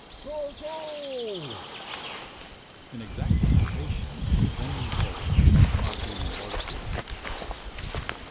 char c o a 1 !" in exact imitation of the venders of that commodity in the large cities.